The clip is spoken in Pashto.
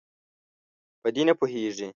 په دې نه پوهیږي.